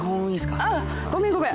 ああごめんごめん。